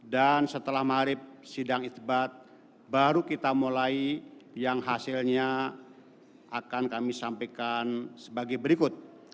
dan setelah marib sidang itibat baru kita mulai yang hasilnya akan kami sampaikan sebagai berikut